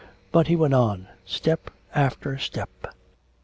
But he went on, step after step.